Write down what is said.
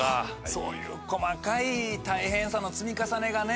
そういう細かい大変さの積み重ねがね。